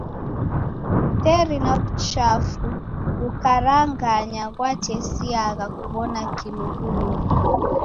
Teri na w'uchafu ghukarangana ghwatesiagha kuw'ona kikulughulu.